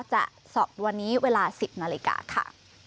จะสอบวันนี้เวลา๑๐นาฬิกาค่ะ